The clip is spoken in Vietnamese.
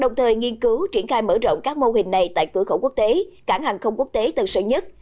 kiên cứu triển khai mở rộng các mô hình này tại cửa khẩu quốc tế cảng hàng không quốc tế tân sở nhất